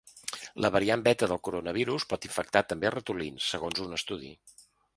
La variant beta del coronavirus pot infectar també ratolins, segons un estudi.